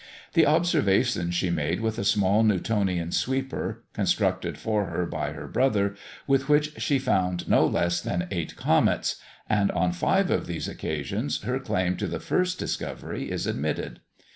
The observations she made with a small Newtonian sweeper, constructed for her by her brother, with which she found no less than eight comets; and on five of these occasions her claim to the first discovery is admitted.